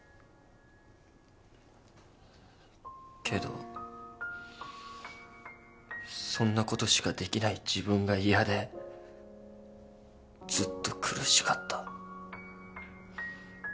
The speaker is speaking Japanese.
けどそんなことしかできない自分が嫌でずっと苦しかった。